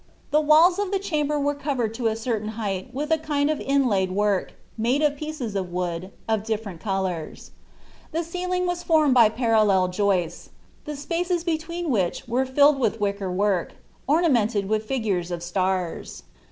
The walls of the chamber were covered to a certain height with a kind of inlaid work, made of pieces of wood, of different colours. The ceiling was formed by parallel joists, the spaces between which were filled with wicker work, ornamented with figures of stars.